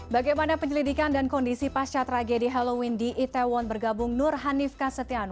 bagaimana penyelidikan dan kondisi pasca tragedi halloween di itaewon bergabung nur hanif kasetiano